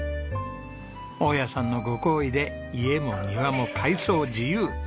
大家さんのご厚意で家も庭も改装自由。